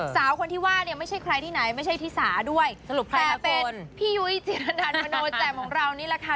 สาวคนที่ว่าเนี่ยไม่ใช่ใครที่ไหนไม่ใช่ธิสาด้วยแต่เป็นพี่ยุ้ยจิรนันมโนแจ่มของเรานี่แหละค่ะ